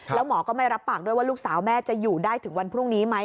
แล้วหมอก็ไม่รับปากด้วยว่าลูกสาวแม่จะอยู่ได้ถึงวันพรุ่งนี้ไหม